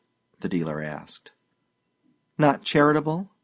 the dealer asked. "Not charitable?"